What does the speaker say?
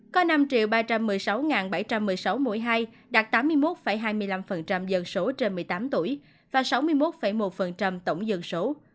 có năm ba trăm một mươi sáu bảy trăm một mươi sáu mũi hai đạt tám mươi một hai mươi năm dân số trên một mươi tám tuổi và sáu mươi một một tổng dân số